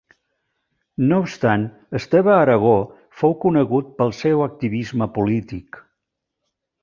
No obstant Esteve Aragó fou conegut pel seu activisme polític.